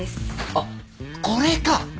あっこれか。